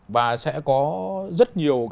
và sẽ có rất nhiều